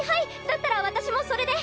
だったら私もそれで。